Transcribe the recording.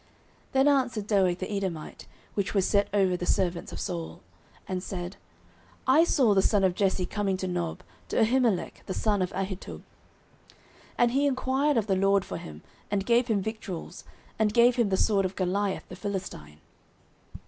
09:022:009 Then answered Doeg the Edomite, which was set over the servants of Saul, and said, I saw the son of Jesse coming to Nob, to Ahimelech the son of Ahitub. 09:022:010 And he enquired of the LORD for him, and gave him victuals, and gave him the sword of Goliath the Philistine.